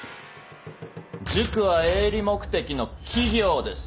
塾は営利目的の企業です。